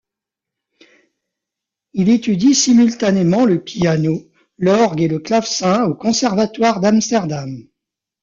Il étudie simultanément le piano, l'orgue et le clavecin au Conservatoire d'Amsterdam.